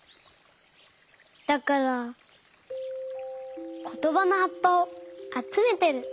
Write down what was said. だからことばのはっぱをあつめてる。